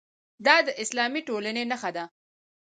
دا د اسلامي ټولنې نښه ده.